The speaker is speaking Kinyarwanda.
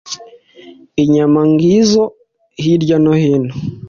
inyama ngizo hirya hino